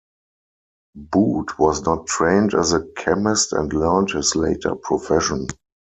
Boot was not trained as a chemist and learned his later profession.